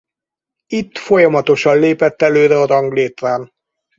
Itt folyamatosan lépett előre a ranglétrán.